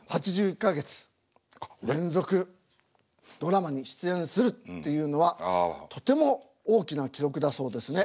８１か月連続ドラマに出演するっていうのはとても大きな記録だそうですね。